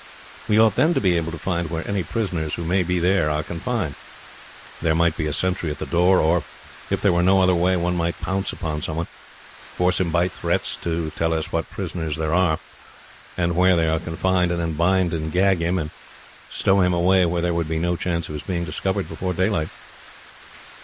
We ought then to be able to find where any prisoners who may be there are confined. There might be a sentry at the door, or, if there were no other way, one might pounce upon someone, force him by threats to tell us what prisoners there are, and where they are confined; and then bind and gag him, and stow him away where there would be no chance of his being discovered before daylight."